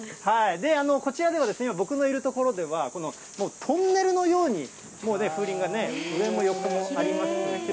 こちらでは今、僕のいる所では、このトンネルのように、風鈴が上も横もありますが。